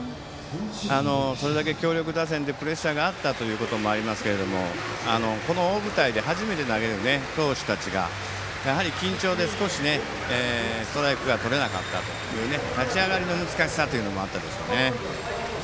それだけ、強力打線でプレッシャーがあったということもありますがこの大舞台で初めて投げる投手たちがやはり緊張で、少しストライクがとれなかったという立ち上がりの難しさもあったでしょうね。